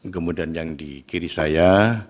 kemudian yang di kiri saya